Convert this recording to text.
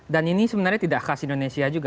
ini sebenarnya tidak khas indonesia juga